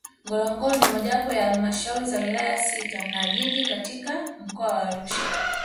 Ngorongoro ni mojawapo ya Halmashauri za Wilaya sita na Jiji katika Mkoa wa Arusha